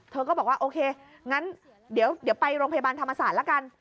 เธอก็บอกว่าโอเคงั้นเดี๋ยวไปโรงพยาบาลธรรมศาสตร์ละกัน